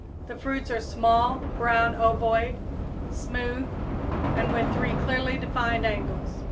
The fruits are small, brown, ovoid, smooth and with three clearly defined angles.